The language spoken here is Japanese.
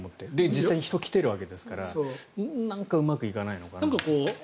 実際に人が来ているわけですから何かうまくいかないのかなと。